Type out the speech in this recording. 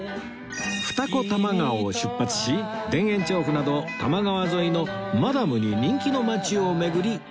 二子玉川を出発し田園調布など多摩川沿いのマダムに人気の街を巡り